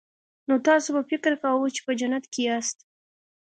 نو تاسو به فکر کاوه چې په جنت کې یاست